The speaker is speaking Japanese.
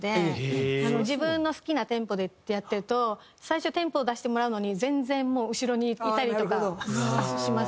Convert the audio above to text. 自分の好きなテンポでってやってると最初テンポを出してもらうのに全然もう後ろにいたりとかします。